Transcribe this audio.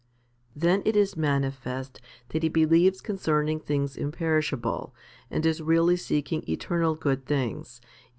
2. Then it is manifest that he believes concerning things imperishable, and is really seeking eternal good things, if 1 Luke xvi.